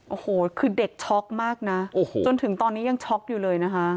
โอ้โหคือเด็กช็อกมากนะโอ้โหจนถึงตอนนี้ยังช็อกอยู่เลยนะคะ